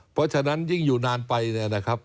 เพราะฉะนั้นยิ่งอยู่นานไปเนี่ยนะครับ